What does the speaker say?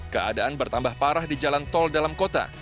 keadaan bertambah parah di jalan tol dalam kota